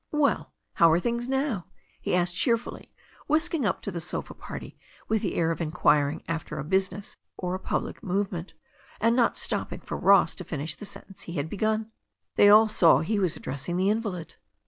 "Well, how lire things now ?" he asked cheerfully, whisk ing up to the sofa party, with the air of inquiring after a business or a public movement, and not stopping for Ross ^ finish the sentence he had begun. They all saw he was addressing the invalid.